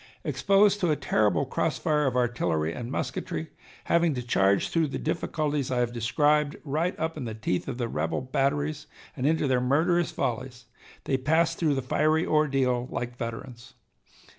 Exposed to a terrible cross fire of artillery and musketry, having to charge through the difficulties I have described right up in the teeth of the rebel batteries and into their murderous volleys, they passed through the fiery ordeal like veterans.